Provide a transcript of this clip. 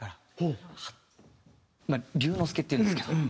瑠之介っていうんですけど。